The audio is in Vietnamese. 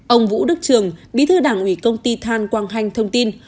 ông vũ đức trường bí thư đảng ủy công ty than quang hanh thông tin